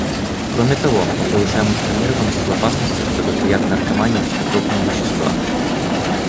Кроме того, мы повышаем информированность об опасности, которую таят наркомания и психотропные вещества.